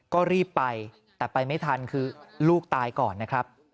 ก็รีบไปแต่ไปไม่ทันคือลูกตายก่อนนะครับ